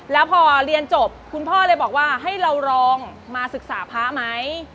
แล้วพอเรียนจบคุณพ่อเลยบอกว่าให้เราลองมาศึกษาพระไหม